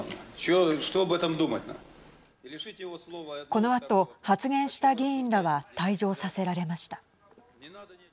このあと発言した議員らは退場させられました。